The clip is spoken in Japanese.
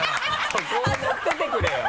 そこは盛っててくれよ！